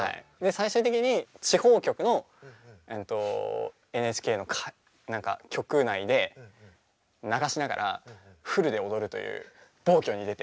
最終的に地方局のＮＨＫの局内で流しながらフルで踊るという暴挙に出て。